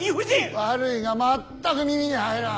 悪いが全く耳に入らん。